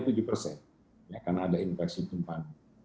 karena ada infeksi tumpangan